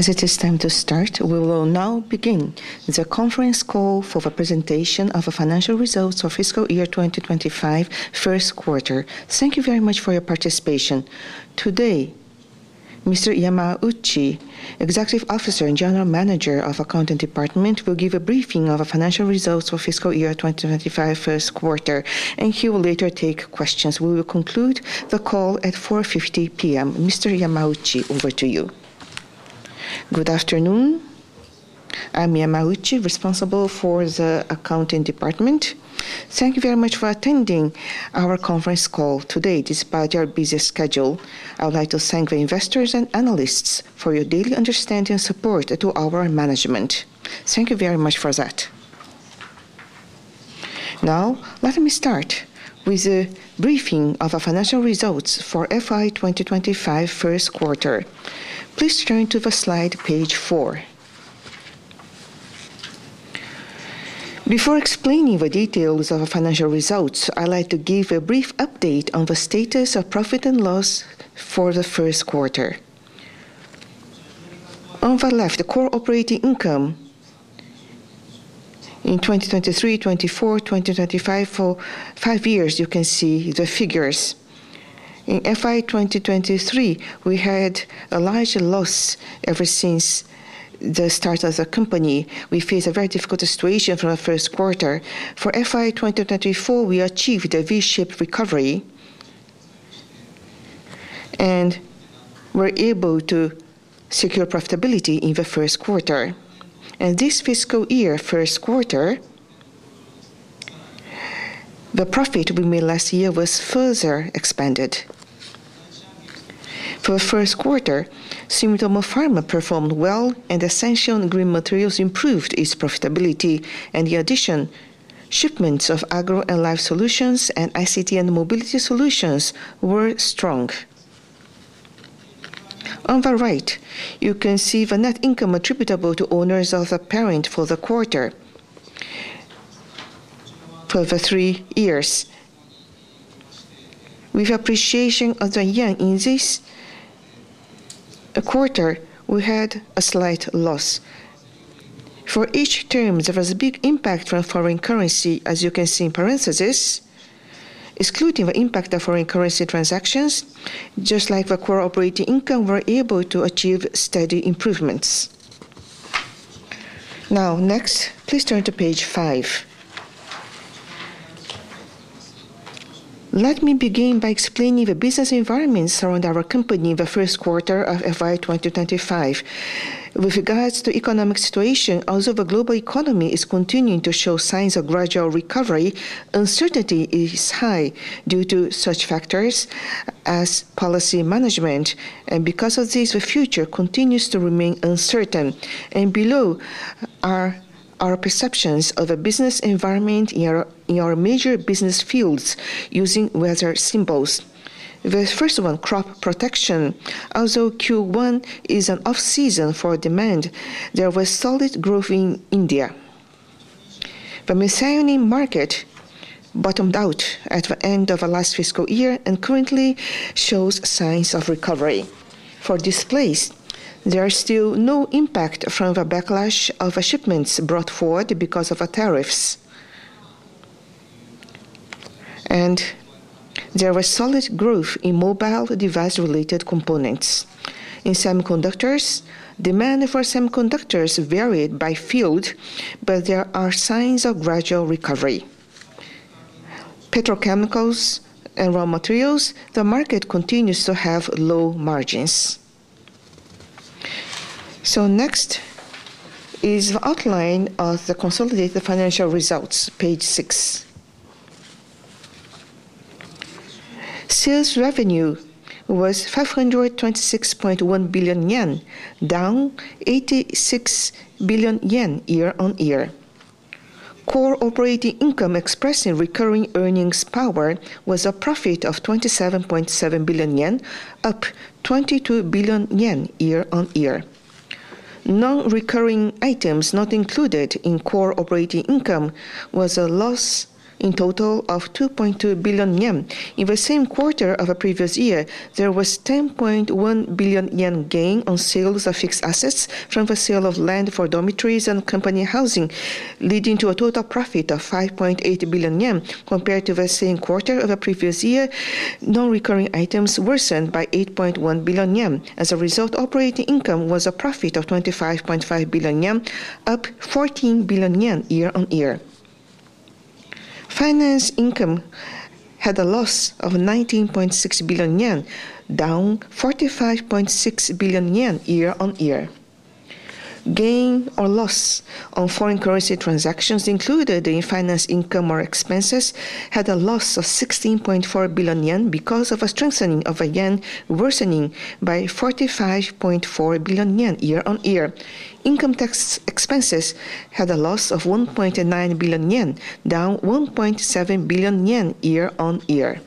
As it is time to start, we will now begin the conference call for the presentation of the financial results for fiscal year 2025, first quarter. Thank you very much for your participation. Today, Mr. Yamauchi, Executive Officer and General Manager of the Accounting Department, will give a briefing on the financial results for fiscal year 2025, first quarter, and he will later take questions. We will conclude the call at 4:50 P.M. Mr. Yamauchi, over to you. Good afternoon. I'm Yamauchi, responsible for the Accounting Department. Thank you very much for attending our conference call today. Despite your busy schedule, I would like to thank the investors and analysts for your daily understanding and support to our management. Thank you very much for that. Now, let me start with a briefing on the financial results for FY 2025, first quarter. Please turn to the slide page 4. Before explaining the details of the financial results, I would like to give a brief update on the status of profit and loss for the first quarter. On the left, the core operating income in 2023, 2024, 2025, for five years, you can see the figures. In FY 2023, we had a large loss ever since the start of the company. We faced a very difficult situation from the first quarter. For FY 2024, we achieved a V-shaped recovery and were able to secure profitability in the first quarter. In this fiscal year, first quarter, the profit we made last year was further expanded. For the first quarter, Sumitomo Pharma performed well, and Ascension Green Materials improved its profitability. In addition, shipments of Agro and Life Solutions and ICT and Mobility Solutions were strong. On the right, you can see the net income attributable to owners of the parent for the quarter for the three years. With appreciation of the yen in this quarter, we had a slight loss. For each term, there was a big impact from foreign currency, as you can see in parentheses, excluding the impact of foreign currency transactions. Just like the core operating income, we were able to achieve steady improvements. Now, next, please turn to page 5. Let me begin by explaining the business environments around our company in the first quarter of FY 2025. With regards to the economic situation, although the global economy is continuing to show signs of gradual recovery, uncertainty is high due to such factors as policy management. Because of this, the future continues to remain uncertain. Below are our perceptions of the business environment in our major business fields using weather symbols. The first one, crop protection. Although Q1 is an off-season for demand, there was solid growth in India. The miscellaneous market bottomed out at the end of the last fiscal year and currently shows signs of recovery. For displays, there is still no impact from the backlash of shipments brought forward because of tariffs. There was solid growth in mobile device-related components. In semiconductors, demand for semiconductors varied by field, but there are signs of gradual recovery. Petrochemicals and raw materials, the market continues to have low margins. Next is the outline of the consolidated financial results, page 6. Sales revenue was ¥526.1 billion, down ¥86 billion year on year. Core operating income expressed in recurring earnings power was a profit of ¥27.7 billion, up ¥22 billion year on year. Non-recurring items not included in core operating income was a loss in total of ¥2.2 billion. In the same quarter of the previous year, there was a ¥10.1 billion gain on sales of fixed assets from the sale of land for dormitories and company housing, leading to a total profit of ¥5.8 billion. Compared to the same quarter of the previous year, non-recurring items worsened by ¥8.1 billion. As a result, operating income was a profit of ¥25.5 billion, up ¥14 billion year on year. Finance income had a loss of ¥19.6 billion, down ¥45.6 billion year on year. Gain or loss on foreign currency transactions included in finance income or expenses had a loss of ¥16.4 billion because of a strengthening of the yen, worsening by ¥45.4 billion year on year. Income tax expenses had a loss of ¥1.9 billion, down ¥1.7 billion year on year.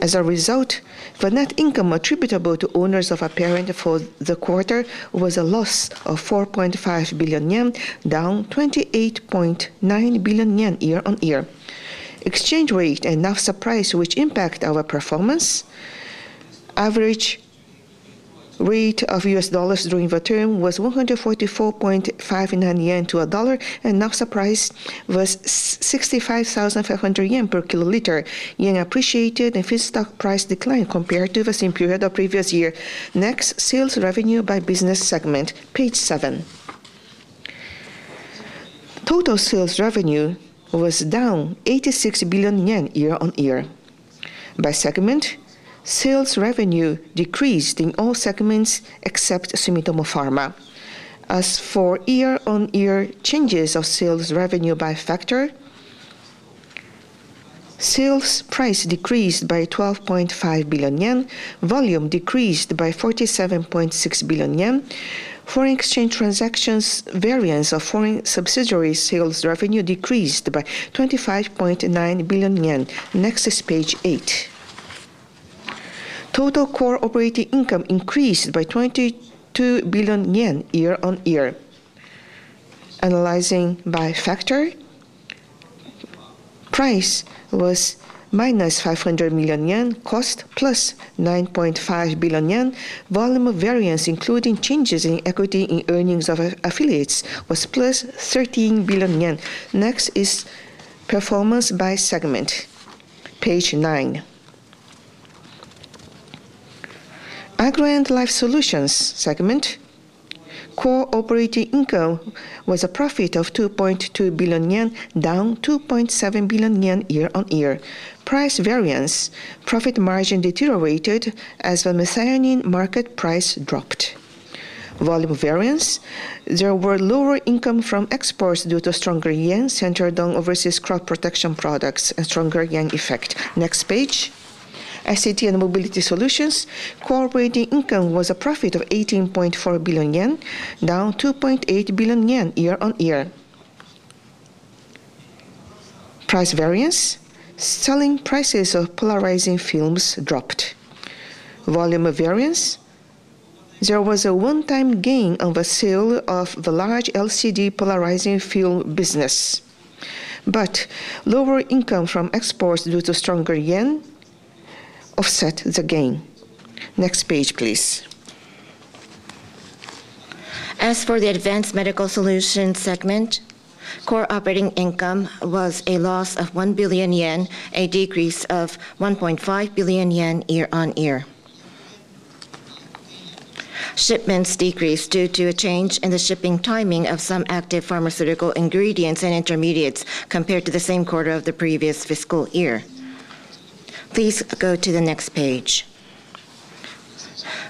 As a result, the net income attributable to owners of the parent for the quarter was a loss of ¥4.5 billion, down ¥28.9 billion year on year. Exchange rate and NASDAQ price, which impact our performance, average rate of U.S. dollars during the term was ¥144.59 to a dollar, and NASDAQ price was ¥65,500 per kiloliter. Yen appreciated and fixed stock price declined compared to the same period of the previous year. Next, sales revenue by business segment, page 7. Total sales revenue was down ¥86 billion year on year. By segment, sales revenue decreased in all segments except Sumitomo Pharma. As for year-on-year changes of sales revenue by factor, sales price decreased by ¥12.5 billion, volume decreased by ¥47.6 billion, foreign exchange transactions variance of foreign subsidiary sales revenue decreased by ¥25.9 billion. Next is page 8. Total core operating income increased by ¥22 billion year on year. Analyzing by factor, price was -¥0.5 billion, cost +¥9.5 billion, volume variance including changes in equity in earnings of affiliates was +¥13 billion. Next is performance by segment, page 9. Agro and Life Solutions segment, core operating income was a profit of ¥2.2 billion, down ¥2.7 billion year on year. Price variance, profit margin deteriorated as the miscellaneous market price dropped. Volume variance, there were lower income from exports due to stronger yen centered on overseas crop protection products and stronger yen effect. Next page, ICT and Mobility Solutions, core operating income was a profit of ¥18.4 billion, down ¥2.8 billion year on year. Price variance, selling prices of polarizing films dropped. Volume variance, there was a one-time gain on the sale of the large LCD polarizing film business, but lower income from exports due to stronger yen offset the gain. Next page, please. As for the Advanced Medical Solutions segment, core operating income was a loss of ¥1 billion, a decrease of ¥1.5 billion year on year. Shipments decreased due to a change in the shipping timing of some active pharmaceutical ingredients and intermediates compared to the same quarter of the previous fiscal year. Please go to the next page.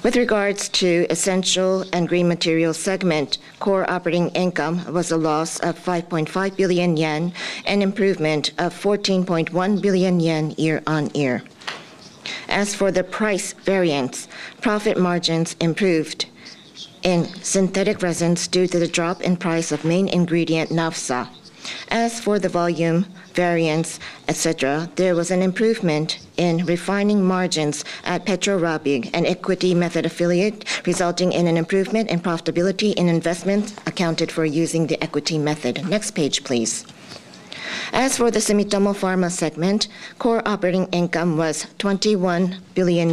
With regards to the Essential and Green Materials segment, core operating income was a loss of ¥5.5 billion, an improvement of ¥14.1 billion year on year. As for the price variance, profit margins improved in synthetic resins due to the drop in price of main ingredient naphtha. As for the volume variance, etc., there was an improvement in refining margins at Petro Rabigh and equity method affiliate, resulting in an improvement in profitability in investments accounted for using the equity method. Next page, please. As for the Sumitomo Pharma segment, core operating income was ¥21 billion,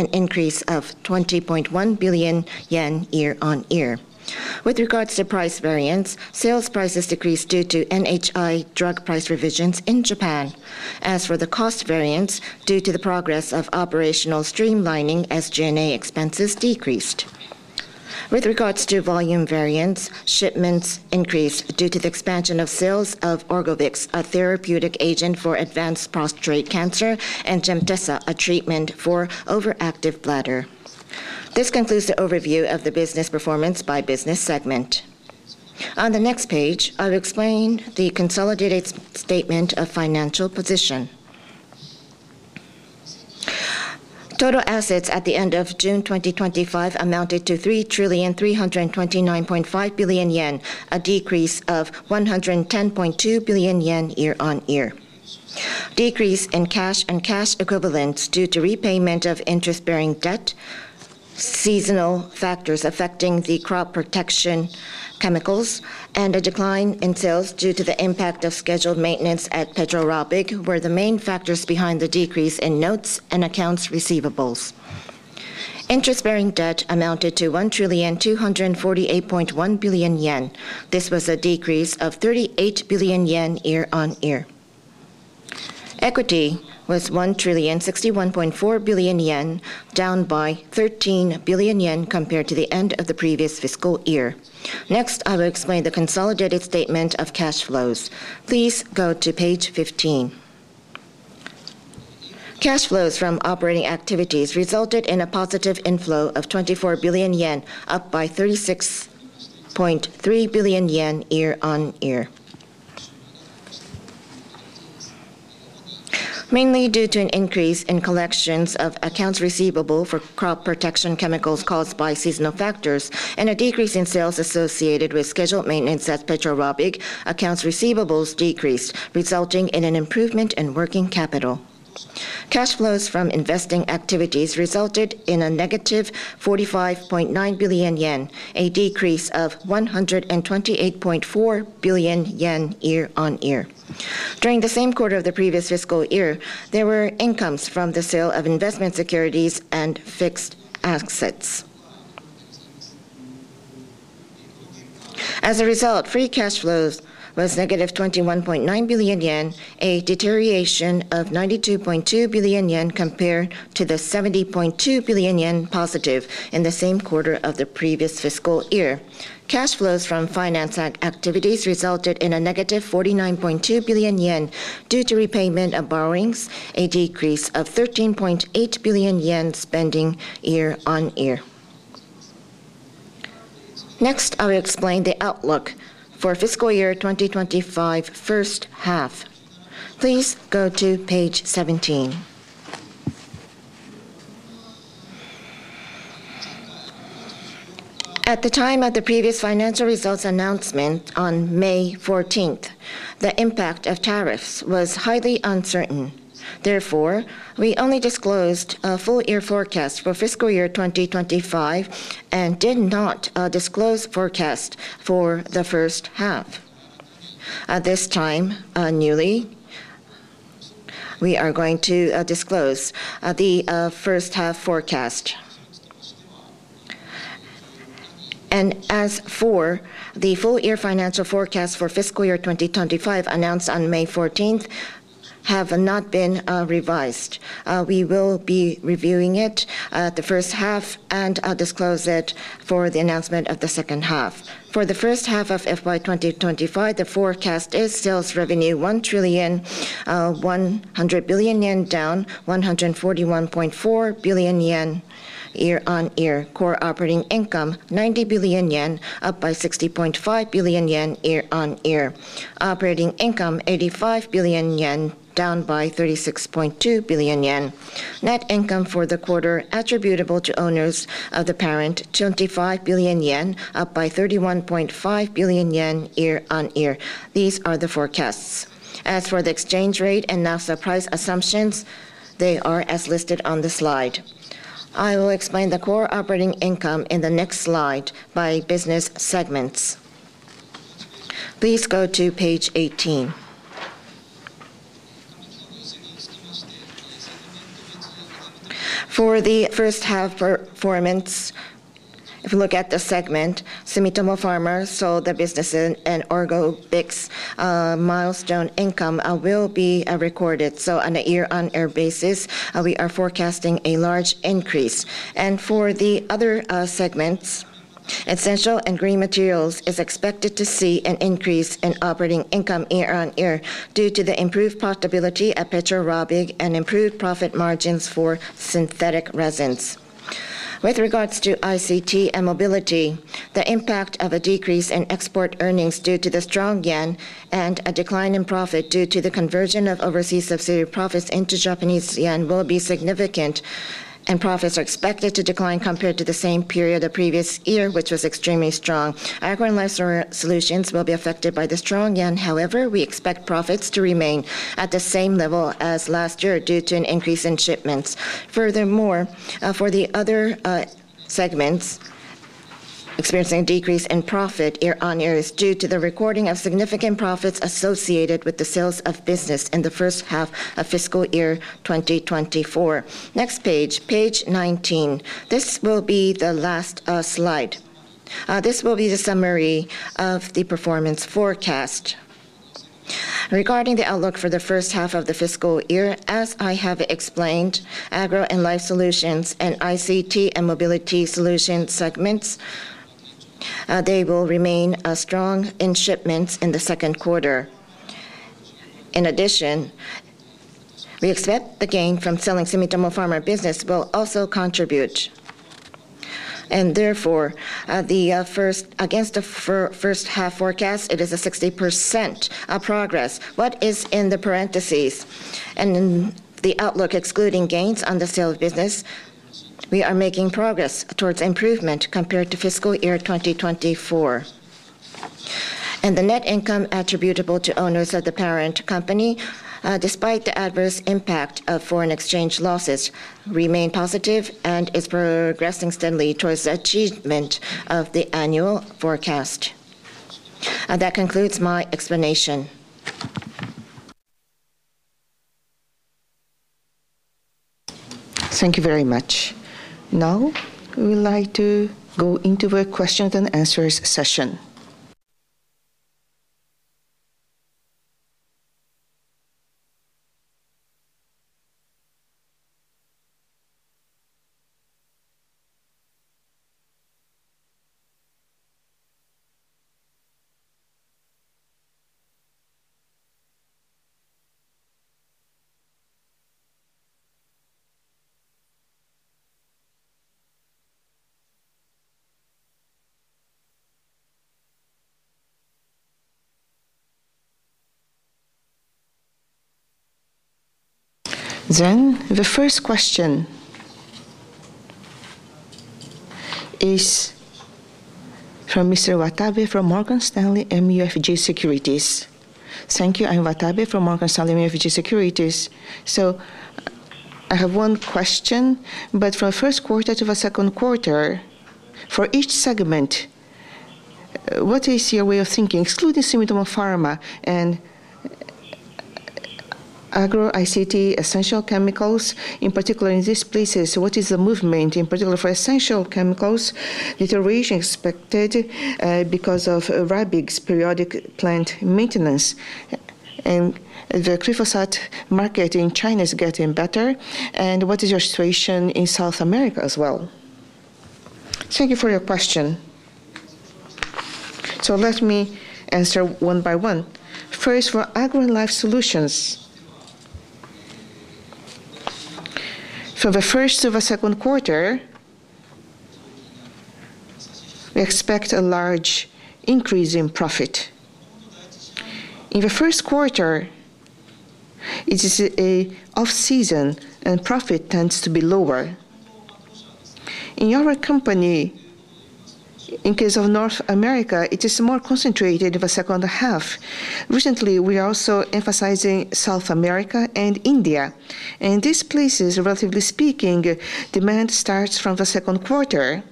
an increase of ¥20.1 billion year on year. With regards to price variance, sales prices decreased due to NHI drug price revisions in Japan. As for the cost variance, due to the progress of operational streamlining, SG&A expenses decreased. With regards to volume variance, shipments increased due to the expansion of sales of Orgovyx, a therapeutic agent for advanced prostate cancer, and Gemtesa, a treatment for overactive bladder. This concludes the overview of the business performance by business segment. On the next page, I will explain the consolidated statement of financial position. Total assets at the end of June 2025 amounted to ¥3,329.5 billion, a decrease of ¥110.2 billion year on year. Decrease in cash and cash equivalents due to repayment of interest-bearing debt, seasonal factors affecting the crop protection chemicals, and a decline in sales due to the impact of scheduled maintenance at Petro Rabigh were the main factors behind the decrease in notes and accounts receivables. Interest-bearing debt amounted to ¥1,248.1 billion. This was a decrease of ¥38 billion year on year. Equity was ¥1,061.4 billion, down by ¥13 billion compared to the end of the previous fiscal year. Next, I will explain the consolidated statement of cash flows. Please go to page 15. Cash flows from operating activities resulted in a positive inflow of ¥24 billion, up by ¥36.3 billion year on year. Mainly due to an increase in collections of accounts receivable for crop protection chemicals caused by seasonal factors and a decrease in sales associated with scheduled maintenance at Petro Rabigh, accounts receivables decreased, resulting in an improvement in working capital. Cash flows from investing activities resulted in a -¥45.9 billion, a decrease of ¥128.4 billion year on year. During the same quarter of the previous fiscal year, there were incomes from the sale of investment securities and fixed assets. As a result, free cash flows were -¥21.9 billion, a deterioration of ¥92.2 billion compared to the ¥70.2 billion positive in the same quarter of the previous fiscal year. Cash flows from financing activities resulted in a -¥49.2 billion due to repayment of borrowings, a decrease of ¥13.8 billion spending year on year. Next, I will explain the outlook for fiscal year 2025, first half. Please go to page 17. At the time of the previous financial results announcement on May 14, the impact of tariffs was highly uncertain. Therefore, we only disclosed a full-year forecast for fiscal year 2025 and did not disclose a forecast for the first half. At this time, we are going to disclose the first-half forecast. As for the full-year financial forecast for fiscal year 2025 announced on May 14, it has not been revised. We will be reviewing it, the first half, and disclosing it for the announcement of the second half. For the first half of fiscal year 2025, the forecast is sales revenue ¥1.1 trillion, down ¥141.4 billion year on year. Core operating income ¥90 billion, up by ¥60.5 billion year on year. Operating income ¥85 billion, down by ¥36.2 billion. Net income for the quarter attributable to owners of the parent ¥25 billion, up by ¥31.5 billion year on year. These are the forecasts. As for the exchange rate and NASDAQ price assumptions, they are as listed on the slide. I will explain the core operating income in the next slide by business segments. Please go to page 18. For the first-half performance, if you look at the segment, Sumitomo Pharma sold the business and Orgovyx milestone income will be recorded. On a year-on-year basis, we are forecasting a large increase. For the other segments, Essential and Green Materials are expected to see an increase in operating income year on year due to the improved profitability at Petro Rabigh and improved profit margins for synthetic resins. With regards to ICT and Mobility, the impact of a decrease in export earnings due to the strong yen and a decline in profit due to the conversion of overseas subsidiary profits into Japanese yen will be significant, and profits are expected to decline compared to the same period of the previous year, which was extremely strong. Agro and Life Solutions will be affected by the strong yen. However, we expect profits to remain at the same level as last year due to an increase in shipments. Furthermore, for the other segments, the decrease in profit year on year is due to the recording of significant profits associated with the sales of business in the first half of fiscal year 2024. Next page, page 19. This will be the last slide. This will be the summary of the performance forecast. Regarding the outlook for the first half of the fiscal year, as I have explained, Agro and Life Solutions and ICT and Mobility Solutions segments will remain strong in shipments in the second quarter. In addition, we expect the gain from selling Sumitomo Pharma business will also contribute. Therefore, against the first-half forecast, it is a 60% progress. What is in the parentheses and in the outlook excluding gains on the sales business, we are making progress towards improvement compared to fiscal year 2024. The net income attributable to owners of the parent company, despite the adverse impact of foreign exchange losses, remains positive and is progressing steadily towards the achievement of the annual forecast. That concludes my explanation. Thank you very much. Now, we would like to go into the questions and answers session. The first question is from Mr. Watabe from Morgan Stanley MUFG Securities. Thank you. I'm Watabe from Morgan Stanley MUFG Securities. I have one question, but from the first quarter to the second quarter, for each segment, what is your way of thinking, excluding Sumitomo Pharma and Agro, ICT, essential chemicals? In particular, in these places, what is the movement in particular for essential chemicals? Deterioration expected because of Rabigh's periodic plant maintenance, and the glyphosate market in China is getting better. What is your situation in South America as well? Thank you for your question. Let me answer one by one. First, for Agro and Life Solutions, for the first to the second quarter, we expect a large increase in profit. In the first quarter, it is an off-season, and profit tends to be lower. In your company, in case of North America, it is more concentrated in the second half. Recently, we are also emphasizing South America and India. In these places, relatively speaking, demand starts from the second quarter.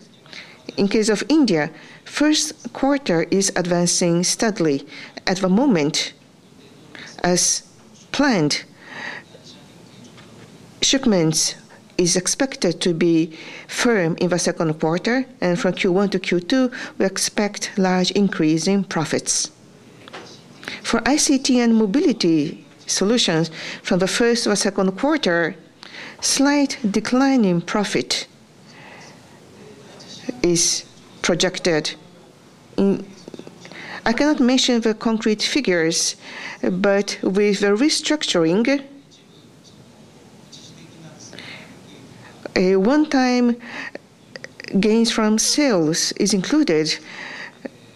In case of India, the first quarter is advancing steadily. At the moment, as planned, shipments are expected to be firm in the second quarter, and from Q1 to Q2, we expect a large increase in profits. For ICT and Mobility Solutions, from the first to the second quarter, a slight decline in profit is projected. I cannot mention the concrete figures, but with the restructuring, one-time gains from sales are included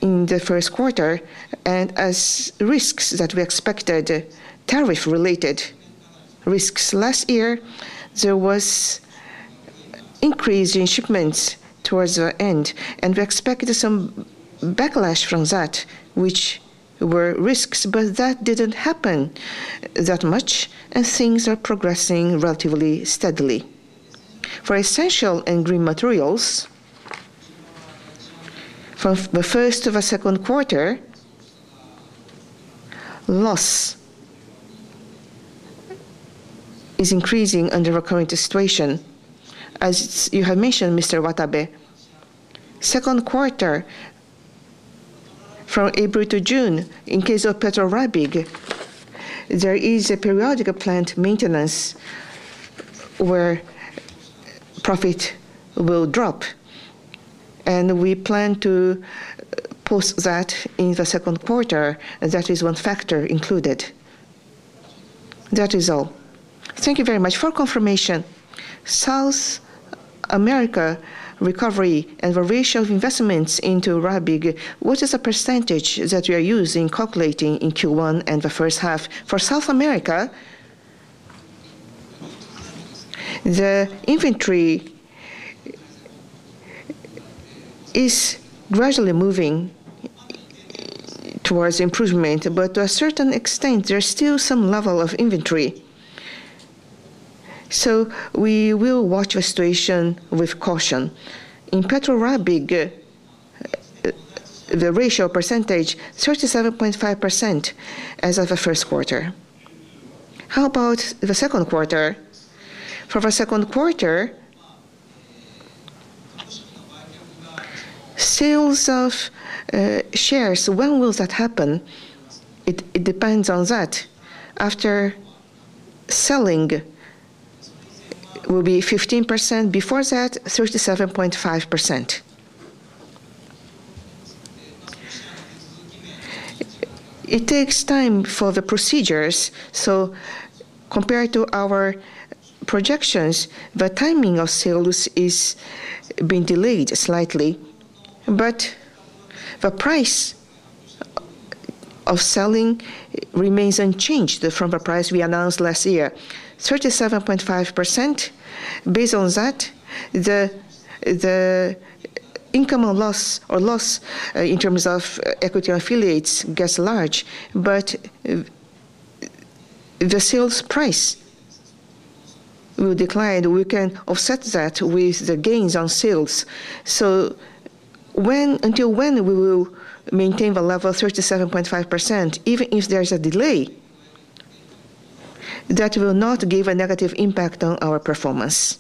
in the first quarter, and as risks that we expected, tariff-related risks. Last year, there was an increase in shipments towards the end, and we expected some backlash from that, which were risks, but that didn't happen that much, and things are progressing relatively steadily. For Essential and Green Materials, from the first to the second quarter, loss is increasing under the current situation. As you have mentioned, Mr. Watabe, second quarter from April to June, in case of Petro Rabigh, there is a periodic plant maintenance where profit will drop, and we plan to post that in the second quarter, and that is one factor included. That is all. Thank you very much. For confirmation, South America recovery and the ratio of investments into Rabigh, what is the percentage that we are using in calculating in Q1 and the first half? For Latin America, the inventory is gradually moving towards improvement, but to a certain extent, there is still some level of inventory. We will watch the situation with caution. In Petro Rabigh, the ratio percentage is 37.5% as of the first quarter. How about the second quarter? For the second quarter, sales of shares, when will that happen? It depends on that. After selling, it will be 15%; before that, 37.5%. It takes time for the procedures, so compared to our projections, the timing of sales has been delayed slightly, but the price of selling remains unchanged from the price we announced last year, 37.5%. Based on that, the income on loss or loss in terms of equity affiliates gets large, but the sales price will decline. We can offset that with the gains on sales. Until when we will maintain the level of 37.5%, even if there is a delay, that will not give a negative impact on our performance.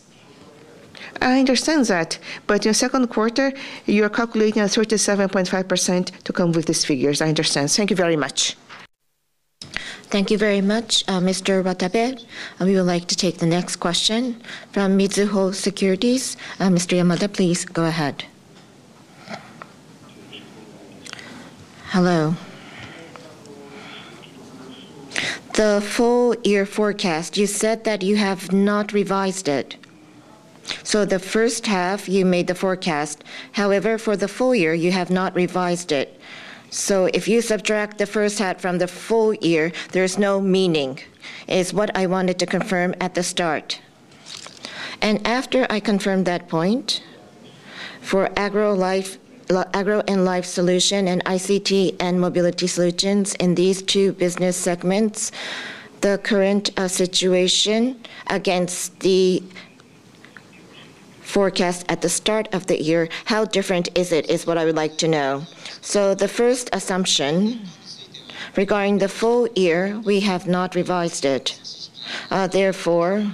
I understand that, but in the second quarter, you are calculating at 37.5% to come with these figures. I understand. Thank you very much. Thank you very much, Mr. Watabe. We would like to take the next question from Mizuho Securities. Mr. Yamada, please go ahead. Hello. The full-year forecast, you said that you have not revised it. The first half, you made the forecast; however, for the full year, you have not revised it. If you subtract the first half from the full year, there is no meaning, is what I wanted to confirm at the start. After I confirmed that point, for Agro and Life Solutions and ICT and Mobility Solutions in these two business segments, the current situation against the forecast at the start of the year, how different is it, is what I would like to know. The first assumption regarding the full year, we have not revised it. Therefore,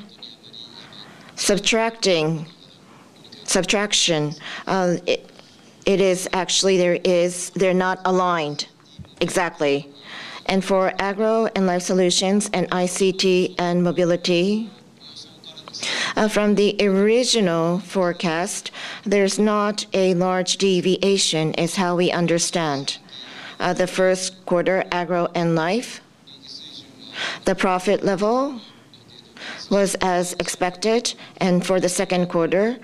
subtraction, it is actually they are not aligned exactly. For Agro and Life Solutions and ICT and Mobility, from the original forecast, there is not a large deviation, is how we understand. The first quarter, Agro and Life, the profit level was as expected, and for the second quarter,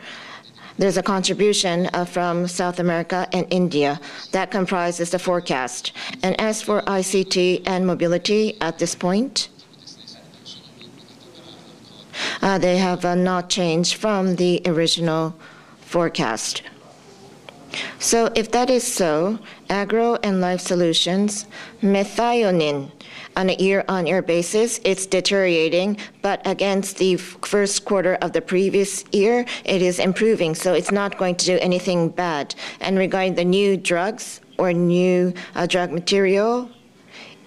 there is a contribution from South America and India that comprises the forecast. As for ICT and Mobility, at this point, they have not changed from the original forecast. If that is so, Agro and Life Solutions, methionine on an ear-on-ear basis, it's deteriorating, but against the first quarter of the previous year, it is improving, so it's not going to do anything bad. Regarding the new drugs or new drug material,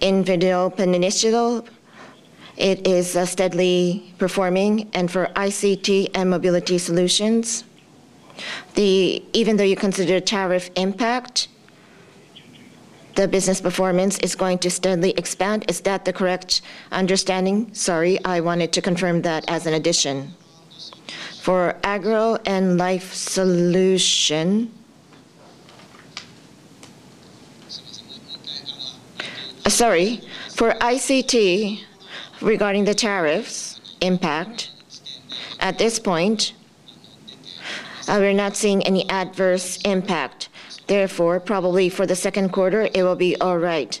in vitro penicillin, it is steadily performing. For ICT and Mobility Solutions, even though you consider tariff impact, the business performance is going to steadily expand. Is that the correct understanding? Sorry, I wanted to confirm that as an addition. For Agro and Life Solutions, sorry, for ICT regarding the tariffs impact, at this point, we are not seeing any adverse impact. Probably for the second quarter, it will be all right.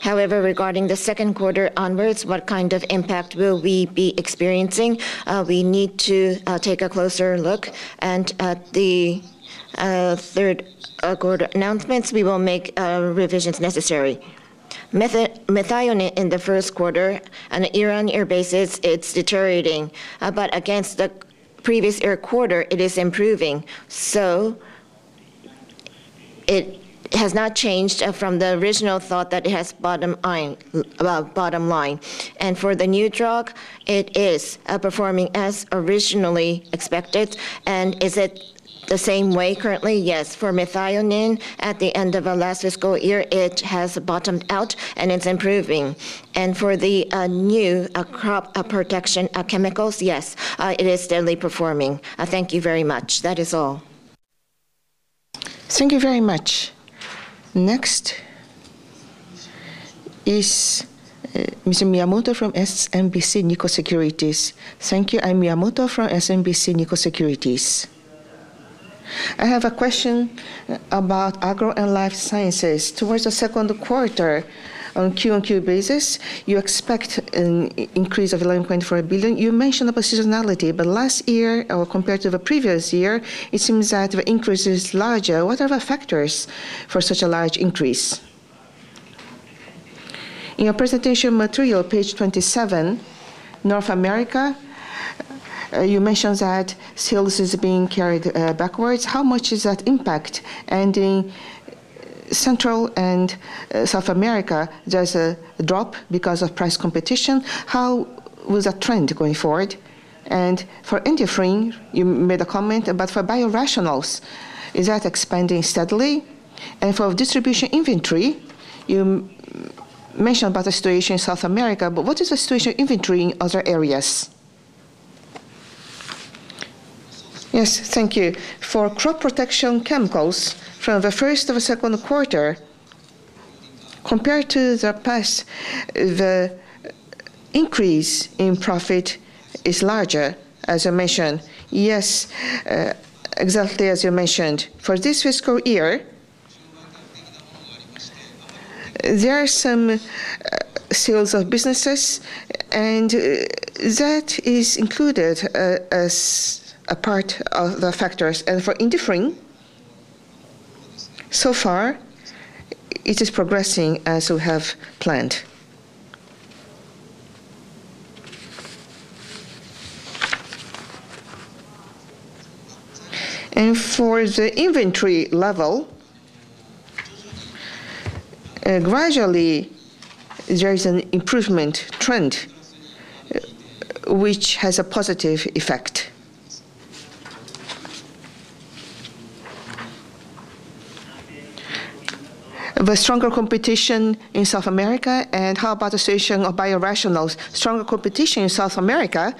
However, regarding the second quarter onwards, what kind of impact will we be experiencing? We need to take a closer look, and at the third quarter announcements, we will make revisions necessary. Methionine in the first quarter, on an ear-on-ear basis, it's deteriorating, but against the previous year quarter, it is improving. It has not changed from the original thought that it has bottomed out. For the new drug, it is performing as originally expected. Is it the same way currently? Yes. For methionine, at the end of the last fiscal year, it has bottomed out, and it's improving. For the new crop protection chemicals, yes, it is steadily performing. Thank you very much. That is all. Thank you very much. Next is Mr. Miyamoto from SMBC Nikko Securities. Thank you. I'm Miyamoto from SMBC Nikko Securities. I have a question about Agro and Life Solutions. Towards the second quarter, on a Q1/Q2 basis, you expect an increase of ¥11.4 billion. You mentioned the positionality, but last year, compared to the previous year, it seems that the increase is larger. What are the factors for such a large increase? In your presentation material, page 27, North America, you mentioned that sales are being carried backwards. How much is that impact? In Central and South America, there is a drop because of price competition. How will that trend going forward? For endophrine, you made a comment, but for biorationals, is that expanding steadily? For distribution inventory, you mentioned about the situation in South America, but what is the situation in inventory in other areas? Yes, thank you. For crop protection chemicals, from the first to the second quarter, compared to the past, the increase in profit is larger, as I mentioned. Yes, exactly as you mentioned. For this fiscal year, there are some sales of businesses, and that is included as a part of the factors. For endophrine, so far, it is progressing as we have planned. For the inventory level, gradually, there is an improvement trend, which has a positive effect. The stronger competition in South America, and how about the situation of biorationals? Stronger competition in South America.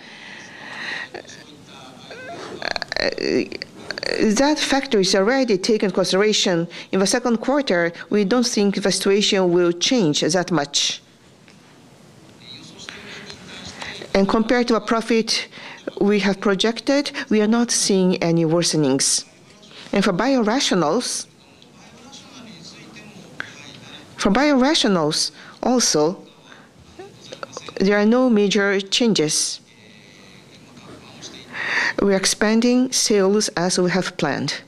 That factor is already taken into consideration. In the second quarter, we don't think the situation will change that much. Compared to the profit we have projected, we are not seeing any worsenings. For biorationals, for biorationals also, there are no major changes. We are expanding sales as we have planned.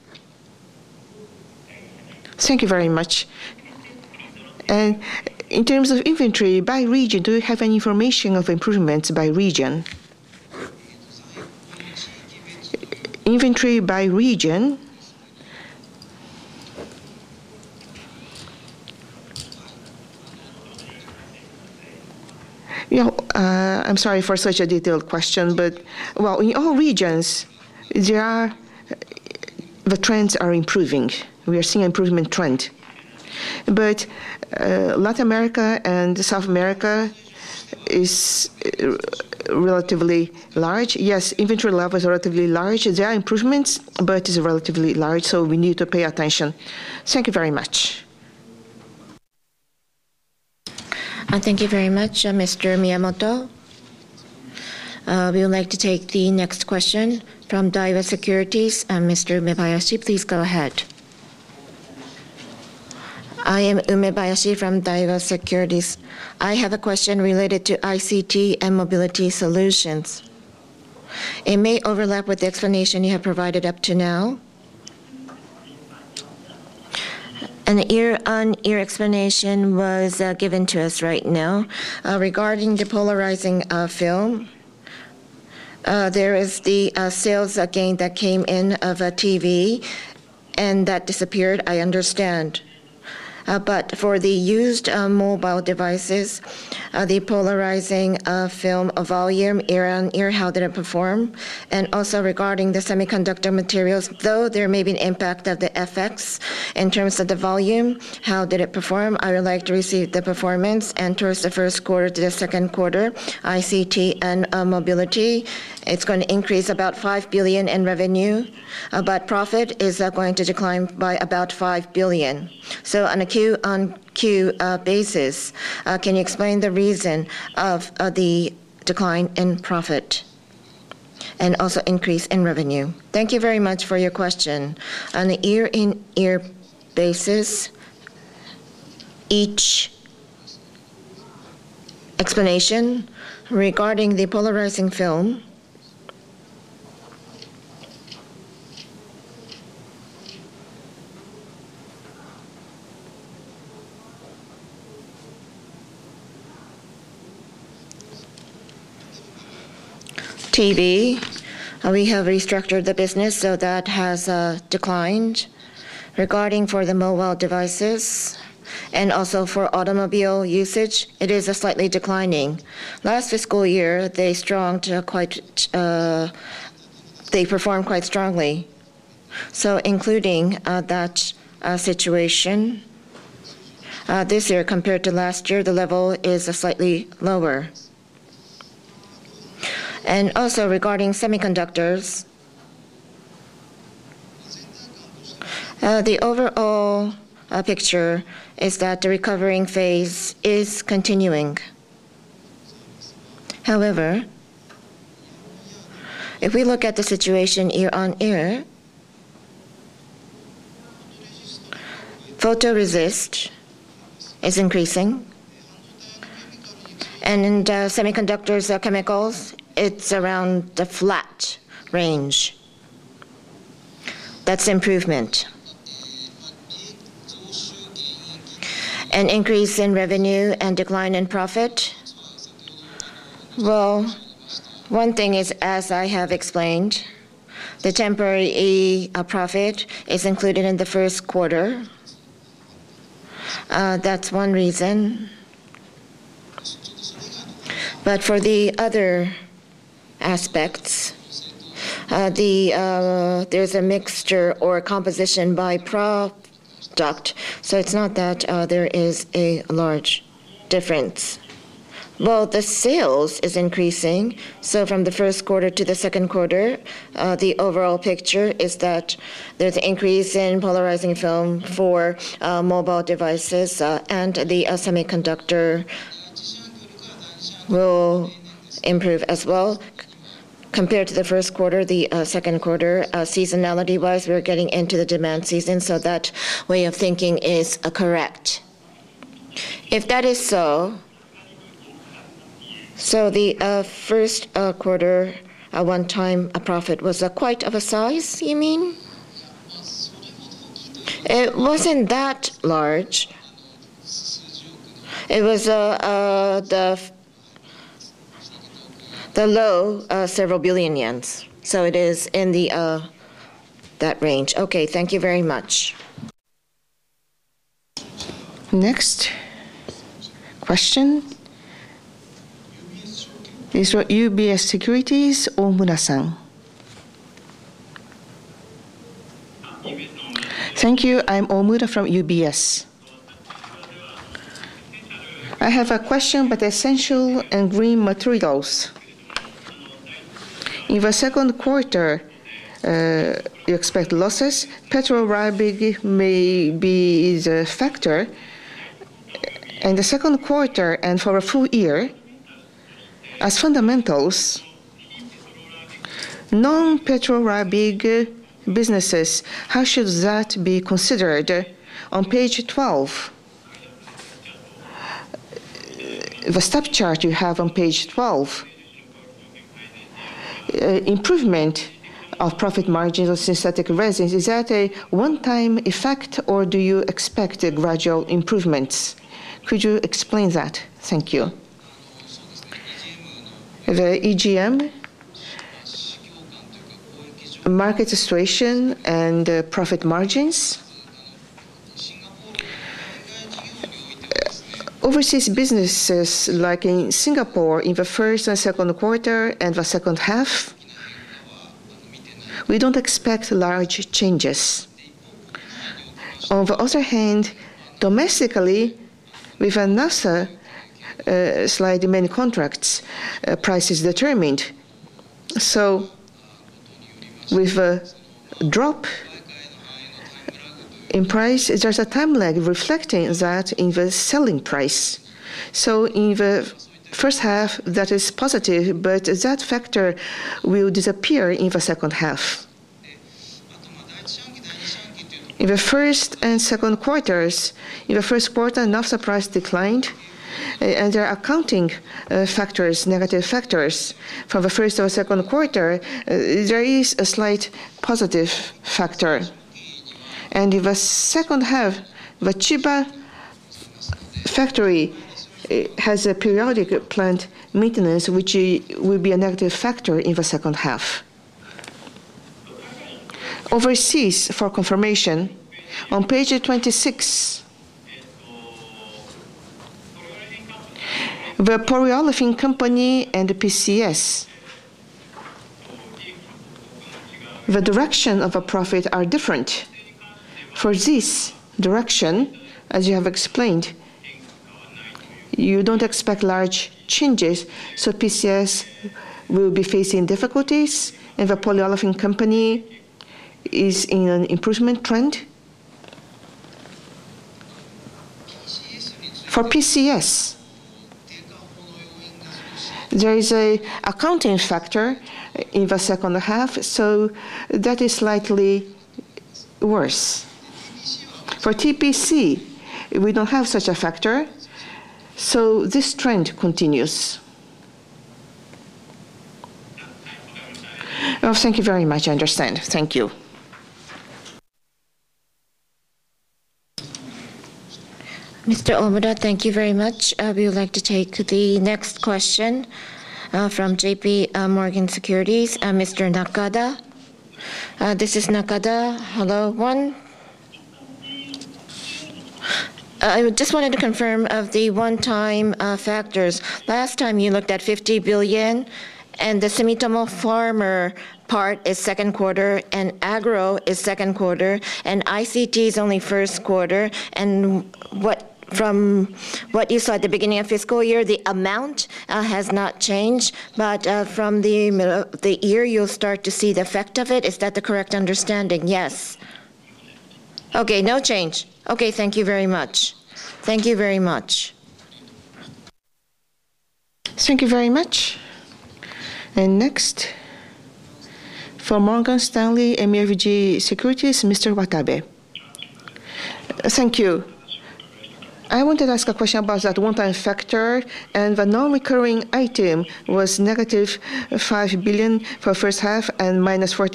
Thank you very much. In terms of inventory by region, do you have any information of improvements by region? Inventory by region? I'm sorry for such a detailed question, but in all regions, the trends are improving. We are seeing an improvement trend. Latin America and South America is relatively large. Yes, inventory levels are relatively large. There are improvements, but it's relatively large, so we need to pay attention. Thank you very much. Thank you very much, Mr. Miyamoto. We would like to take the next question from Daiwa Securities. Mr. Umebayashi, please go ahead. I am Umebayashi from Daiwa Securities. I have a question related to ICT and Mobility Solutions. It may overlap with the explanation you have provided up to now. An ear-on-ear explanation was given to us right now. Regarding the polarizing film, there is the sales gain that came in of a TV, and that disappeared, I understand. For the used mobile devices, the polarizing film volume, ear-on-ear, how did it perform? Also, regarding the semiconductor materials, though there may be an impact of the FX in terms of the volume, how did it perform? I would like to receive the performance and towards the first quarter to the second quarter, ICT and Mobility, it's going to increase about ¥5 billion in revenue, but profit is going to decline by about ¥5 billion. On a Q1/Q2 basis, can you explain the reason for the decline in profit and also increase in revenue? Thank you very much for your question. On an ear-on-ear basis, each explanation regarding the polarizing film. TV, we have restructured the business, so that has declined. For the mobile devices and also for automobile usage, it is slightly declining. Last fiscal year, they performed quite strongly. Including that situation, this year compared to last year, the level is slightly lower. Also, regarding semiconductors, the overall picture is that the recovering phase is continuing. If we look at the situation ear-on-ear, photoresist is increasing, and in semiconductor chemicals, it's around the flat range. That's improvement. An increase in revenue and decline in profit? One thing is, as I have explained, the temporary profit is included in the first quarter. That's one reason. For the other aspects, there is a mixture or a composition by product, so it's not that there is a large difference. The sales are increasing. From the first quarter to the second quarter, the overall picture is that there is an increase in polarizing film for mobile devices, and the semiconductor will improve as well. Compared to the first quarter, the second quarter, seasonality-wise, we are getting into the demand season, so that way of thinking is correct. If that is so, the first quarter, one-time profit was quite of a size, you mean? It wasn't that large. It was the low several billion yen. It is in that range. Okay, thank you very much. Next question. UBS Securities Omura-san. Thank you. I'm Omura from UBS. I have a question about Essential and Green Materials. In the second quarter, you expect losses. Petro Rabigh may be the factor. In the second quarter and for a full year, as fundamentals, non-Petro Rabigh businesses, how should that be considered? On page 12, the step chart you have on page 12, improvement of profit margins of synthetic resins, is that a one-time effect or do you expect gradual improvements? Could you explain that? Thank you. The EGM, market situation and profit margins. Overseas businesses like in Singapore, in the first and second quarter and the second half, we don't expect large changes. On the other hand, domestically, we have a number of contracts with prices determined. With a drop in price, there is a time lag reflecting that in the selling price. In the first half, that is positive, but that factor will disappear in the second half. In the first and second quarters, in the first quarter, Naphtha price declined, and there are accounting factors, negative factors. From the first to the second quarter, there is a slight positive factor. In the second half, the Chiba factory has a periodic plant maintenance, which will be a negative factor in the second half. Overseas, for confirmation, on page 26, the polyethylene company and the PCS, the direction of the profit are different. For this direction, as you have explained, you don't expect large changes, so PCS will be facing difficulties, and the polyethylene company is in an improvement trend. For PCS, there is an accounting factor in the second half, so that is slightly worse. For TPC, we don't have such a factor, so this trend continues. Oh, thank you very much. I understand. Thank you. Mr. Omura, thank you very much. We would like to take the next question from JP Morgan Securities. Mr. Nakada. This is Nakada. Hello, one. I just wanted to confirm of the one-time factors. Last time, you looked at ¥50 billion, and the Sumitomo Pharma part is second quarter, and Agro is second quarter, and ICT is only first quarter. From what you saw at the beginning of the fiscal year, the amount has not changed, but from the middle of the year, you'll start to see the effect of it. Is that the correct understanding? Yes. Okay, no change. Okay, thank you very much. Thank you very much. Thank you very much. Next, for Morgan Stanley MUFG Securities, Mr. Watabe. Thank you. I wanted to ask a question about that one-time factor, and the non-recurring item was -¥5 billion for the first half and -¥45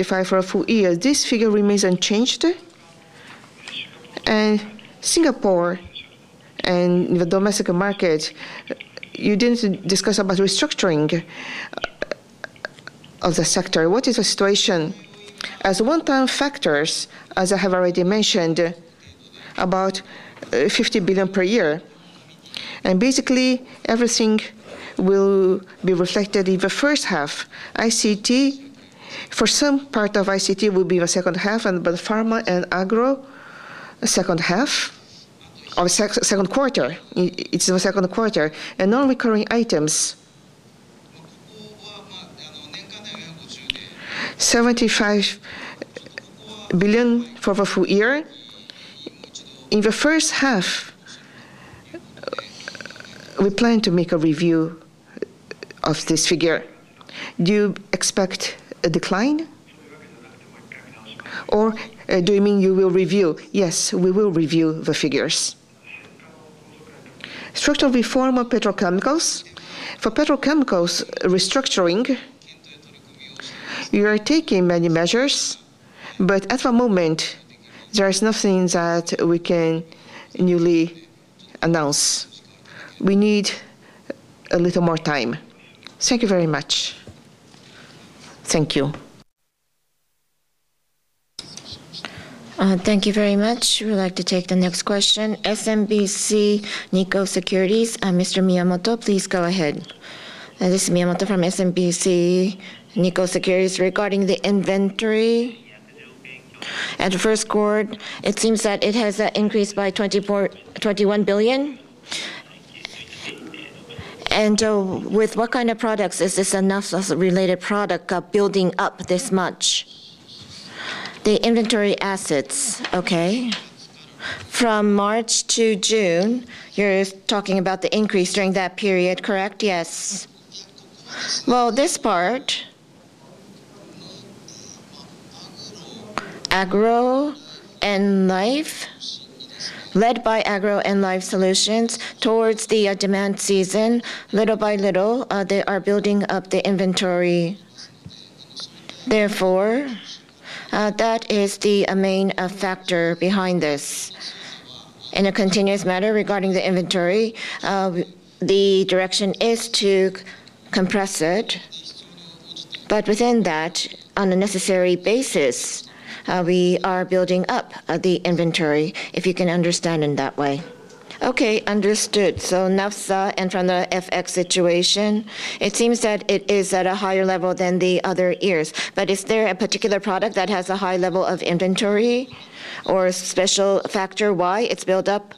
billion for a full year. This figure remains unchanged. Singapore and the domestic market, you didn't discuss restructuring of the sector. What is the situation? As one-time factors, as I have already mentioned, about ¥50 billion per year. Basically, everything will be reflected in the first half. ICT, for some part of ICT, will be the second half, and for the Pharma and Agro, the second half of the second quarter. It's the second quarter. Non-recurring items, ¥75 billion for the full year. In the first half, we plan to make a review of this figure. Do you expect a decline? Or do you mean you will review? Yes, we will review the figures. Structural reform of petrochemicals. For petrochemicals, restructuring, you are taking many measures, but at the moment, there is nothing that we can newly announce. We need a little more time. Thank you very much. Thank you. Thank you very much. We would like to take the next question. SMBC Nikko Securities. Mr. Miyamoto, please go ahead. This is Miyamoto from SMBC Nikko Securities. Regarding the inventory at the first quarter, it seems that it has increased by ¥21 billion. With what kind of products is this, a NAFSA-related product building up this much? The inventory assets, okay. From March to June, you're talking about the increase during that period, correct? Yes. This part, Agro and Life, led by Agro and Life Solutions, towards the demand season, little by little, they are building up the inventory. Therefore, that is the main factor behind this. In a continuous manner, regarding the inventory, the direction is to compress it, but within that, on a necessary basis, we are building up the inventory, if you can understand in that way. Okay, understood. NAFSA and from the FX situation, it seems that it is at a higher level than the other years. Is there a particular product that has a high level of inventory or special factor why it's built up?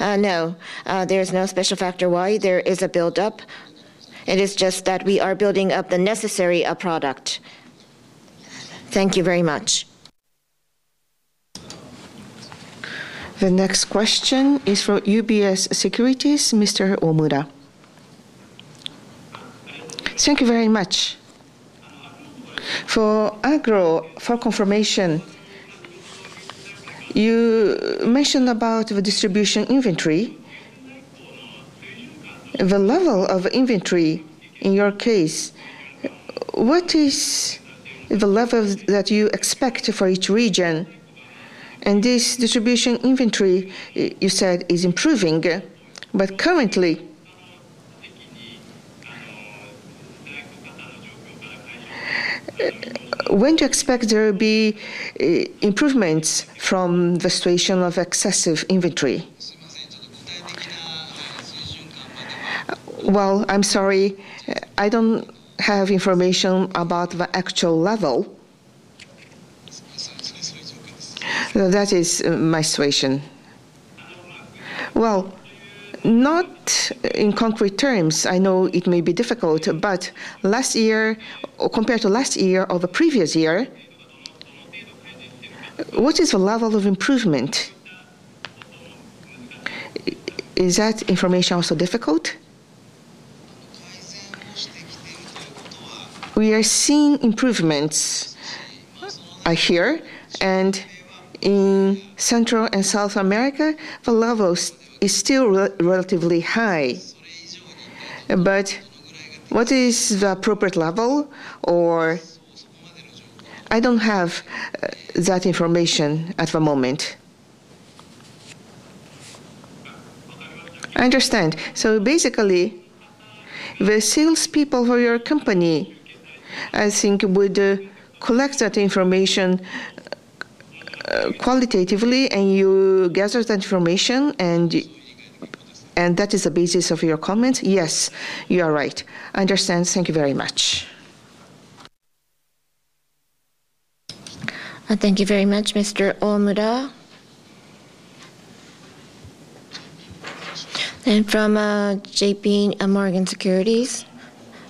No, there is no special factor why there is a buildup. It is just that we are building up the necessary product. Thank you very much. The next question is for UBS Securities. Mr. Omura. Thank you very much. For Agro, for confirmation, you mentioned the distribution inventory. The level of inventory, in your case, what is the level that you expect for each region? This distribution inventory, you said, is improving, but currently, when do you expect there will be improvements from the situation of excessive inventory? I'm sorry, I don't have information about the actual level. That is my situation. Not in concrete terms, I know it may be difficult, but compared to last year or the previous year, what is the level of improvement? Is that information also difficult? We are seeing improvements, I hear, and in Latin America, the level is still relatively high. What is the appropriate level? I don't have that information at the moment. I understand. Basically, the salespeople for your company, I think, would collect that information qualitatively, and you gather that information, and that is the basis of your comments? Yes, you are right. I understand. Thank you very much. Thank you very much, Mr. Omura. From JP Morgan Securities,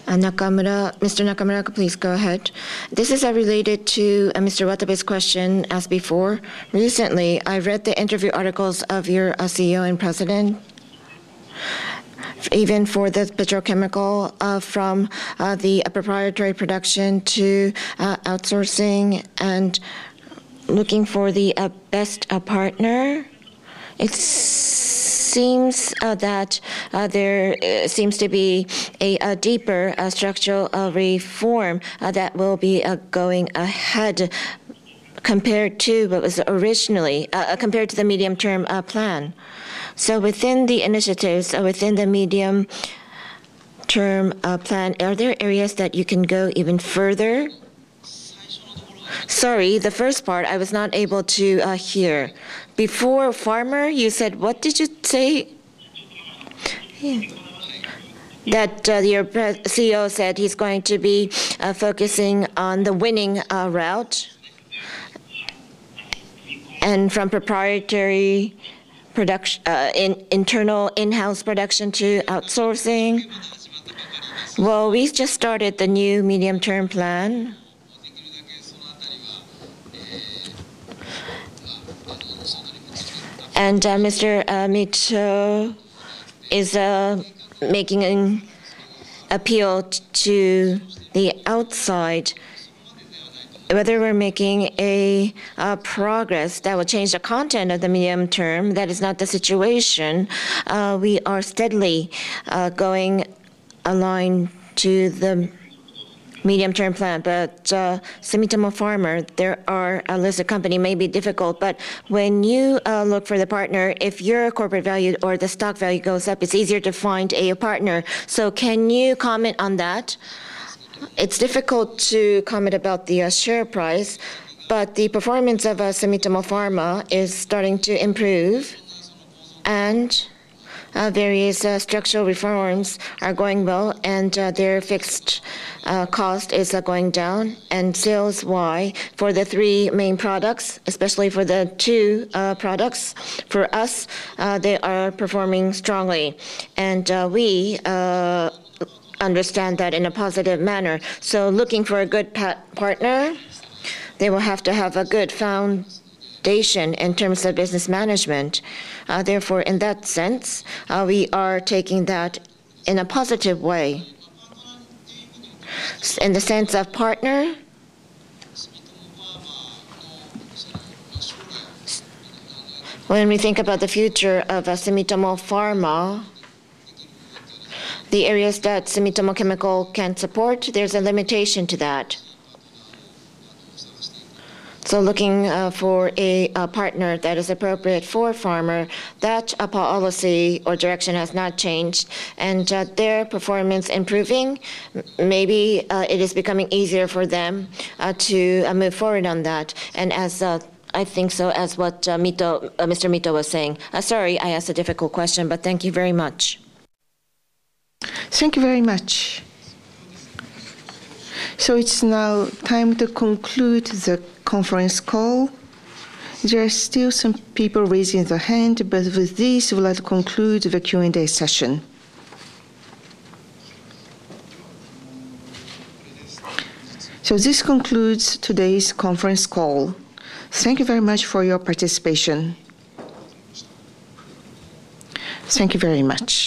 Mr. Nakamura, please go ahead. This is related to Mr. Watabe's question as before. Recently, I read the interview articles of your CEO and President, even for the petrochemical from the proprietary production to outsourcing and looking for the best partner. It seems that there is a deeper structural reform that will be going ahead compared to what was originally compared to the medium-term plan. Within the initiatives, within the medium-term plan, are there areas that you can go even further? Sorry, the first part I was not able to hear. Before Pharma, you said, what did you say? That your CEO said he's going to be focusing on the winning route. From proprietary production, internal in-house production to outsourcing. We've just started the new medium-term plan. Mr. Mitsuo is making an appeal to the outside whether we're making progress that will change the content of the medium-term. That is not the situation. We are steadily going aligned to the medium-term plan. Sumitomo Pharma, there are a list of companies that may be difficult. When you look for the partner, if your corporate value or the stock value goes up, it's easier to find a partner. Can you comment on that? It's difficult to comment about the share price, but the performance of Sumitomo Pharma is starting to improve. Various structural reforms are going well, and their fixed cost is going down. Sales-wise, for the three main products, especially for the two products, for us, they are performing strongly. We understand that in a positive manner. Looking for a good partner, they will have to have a good foundation in terms of business management. In that sense, we are taking that in a positive way. In the sense of partner, when we think about the future of Sumitomo Pharma, the areas that Sumitomo Chemical can support, there's a limitation to that. Looking for a partner that is appropriate for Pharma, that policy or direction has not changed. Their performance improving, maybe it is becoming easier for them to move forward on that. I think so, as what Mr. Mito was saying. Sorry, I asked a difficult question, but thank you very much. Thank you very much. It's now time to conclude the conference call. There are still some people raising their hand, but with this, we would like to conclude the Q&A session. This concludes today's conference call. Thank you very much for your participation. Thank you very much.